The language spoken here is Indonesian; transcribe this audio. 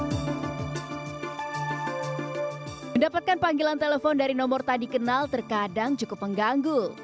ketika kami mendapatkan panggilan telepon dari nomor yang tadi kenal terkadang cukup mengganggu